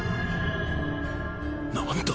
何だ？